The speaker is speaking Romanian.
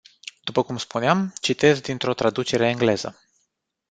După cum spuneam, citez dintr-o traducere engleză.